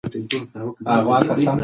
موږ د خپل کلتور د ساتنې لپاره متحد یو.